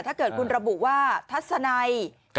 ถ้าเกิดคุณระบุว่าทัศนัย